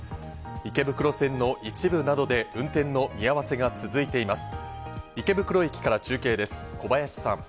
池袋線の一部などで運転の見合わせが続いています。